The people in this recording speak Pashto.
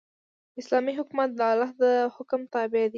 اسلامي حکومت د الله د حکم تابع دی.